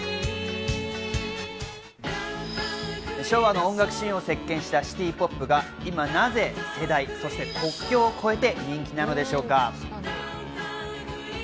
昭和の音楽シーンを席巻したシティポップが今なぜ世代、そして国境を越えて人気なのでしょうか。